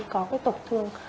có cái tổn thương